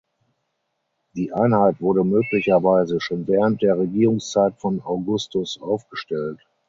Die Einheit wurde möglicherweise schon während der Regierungszeit von Augustus aufgestellt.